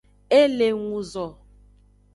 E le nguzo.